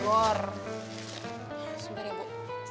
ya sudah ya bu